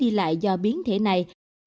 đi lại do biến thể này